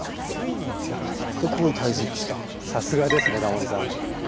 さすがですねタモリさん。